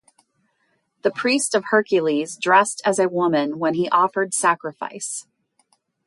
The priest of Hercules dressed as a woman when he offered sacrifice.